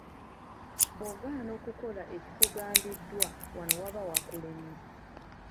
Bw'ogaana okukola ekikugambiddwa wano waba wakulemye.